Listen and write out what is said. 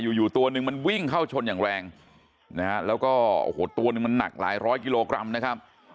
อยู่อยู่ตัวนึงมันวิ่งเข้าชนอย่างแรงนะฮะแล้วก็โอ้โหตัวหนึ่งมันหนักหลายร้อยกิโลกรัมนะครับ